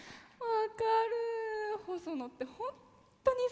分かる！